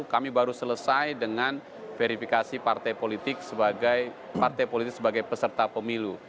kami baru selesai dengan verifikasi partai politik sebagai peserta pemilu